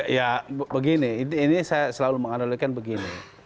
ya begini ini saya selalu menganalikan begini